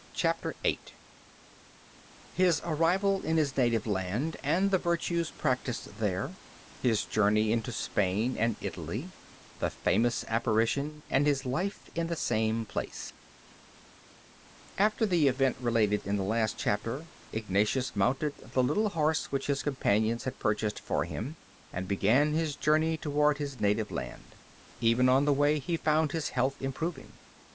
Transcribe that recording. CHAPTER VIII HIS ARRIVAL IN HIS NATIVE LAND AND THE VIRTUES PRACTISED THERE HIS JOURNEY INTO SPAIN AND ITALY THE FAMOUS APPARITION AND HIS LIFE IN THE SAME PLACE After the event related in the last chapter, Ignatius mounted the little horse which his companions had purchased for him, and began his journey toward his native land. Even on the way he found his health improving.